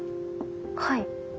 はい。